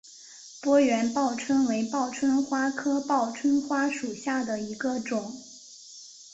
波缘报春为报春花科报春花属下的一个种。